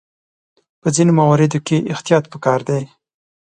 په ځینو مواردو کې احتیاط پکار دی.